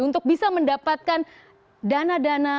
untuk bisa mendapatkan dana dana